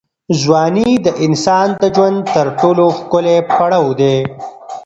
ځواني د انسان د ژوند تر ټولو ښکلی پړاو دی.